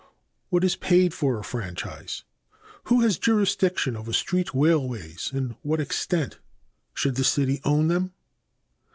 b. What is paid for a franchise? c. Who has jurisdiction over street railways and to what extent? d. Should the city own them?